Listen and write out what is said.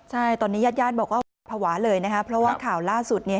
ใช่ตอนนี้ญาติย่านบอกว่าผวาเลยนะครับเพราะว่าข่าวล่าสุดเนี่ย